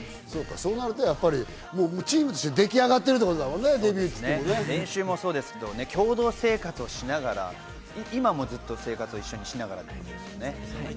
そうなるとチームとして出来練習もそうですけど、共同生活しながら、今もずっと生活を一緒にしながらですよね。